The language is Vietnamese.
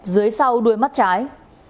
dưới sau đuôi mắt trái